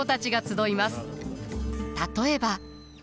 例えば。